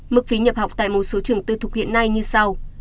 mức phí nhập học tại một số trường tư thục hiện nay như sau